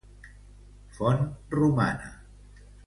Font romana.